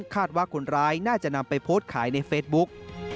คาดว่าคนร้ายน่าจะนำไปโพสต์ขายในเฟซบุ๊ก